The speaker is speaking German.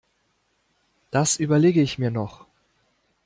Das überlege ich mir noch.